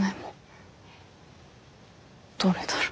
どれだろ。